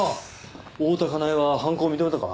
大多香苗は犯行を認めたか？